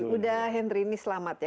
udah henry ini selamat ya